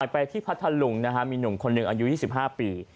ไปที่พัทธลุงมีหนุ่มคนหนึ่งอายุ๒๕ปี